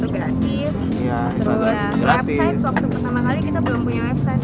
website waktu pertama kali kita belum punya website jadi pakai tumbler